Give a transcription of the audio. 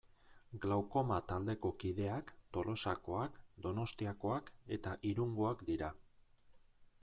Glaukoma taldeko kideak Tolosakoak, Donostiakoak eta Irungoak dira.